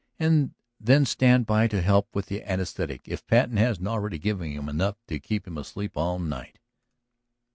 And then stand by to help with the anaesthetic if Patten hasn't already given him enough to keep him asleep all night!"